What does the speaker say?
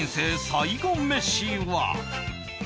最後メシは？